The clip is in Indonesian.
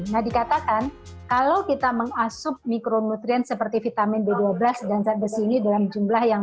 nah dikatakan kalau kita mengasup mikronutrien seperti vitamin b dua belas dan zat besi ini dalam jumlah yang